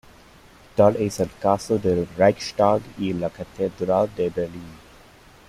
Tal es el caso del Reichstag y la Catedral de Berlín.